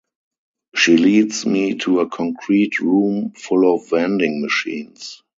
She leads me to a concrete room full of vending machines.